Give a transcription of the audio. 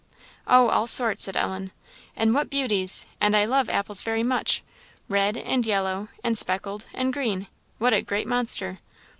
"Oh! all sorts," said Ellen "and what beauties! and I love apples very much red, and yellow, and speckled, and green what a great monster!"